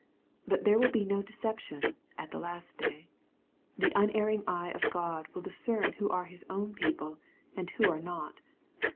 But there will be no deception at the last day. The unerring eye of God will discern who are His own people, and who are not.